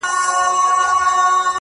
ځيني يې سخت واقعيت بولي ډېر-